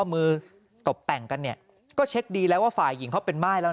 มือตบแต่งกันเนี่ยก็เช็คดีแล้วว่าฝ่ายหญิงเขาเป็นม่ายแล้วนะ